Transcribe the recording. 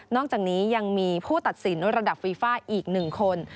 อกจากนี้ยังมีผู้ตัดสินระดับฟีฟ่าอีก๑คน